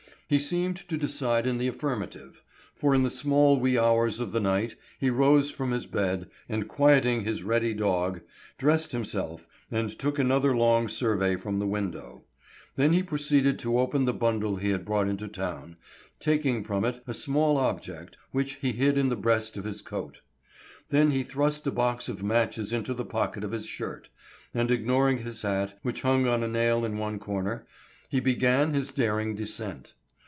He seemed to decide in the affirmative, for in the small wee hours of the night he rose from his bed, and quieting his ready dog, dressed himself, and took another long survey from the window. Then he proceeded to open the bundle he had brought into town, taking from it a small object, which he hid in the breast of his coat. Then he thrust a box of matches into the pocket of his shirt, and ignoring his hat, which hung on a nail in one corner, he began his daring descent.